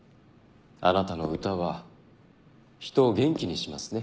あなたの歌は人を元気にしますね。